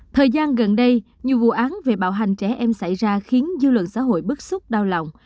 thời gian gần đây nhiều vụ án về bạo hành trẻ em xảy ra khiến dư luận xã hội bức xúc đau lòng